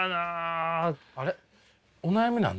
あれ？